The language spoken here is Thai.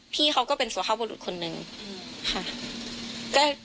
พี่เขาก็เป็นสุภาพบุรุษคนนึงค่ะ